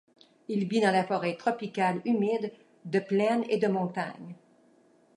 Il vit dans la forêt tropicale humide de plaine et de montagne.